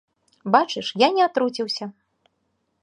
Бачыш, я не атруціўся.